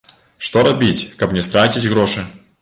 Што рабіць, каб не страціць грошы.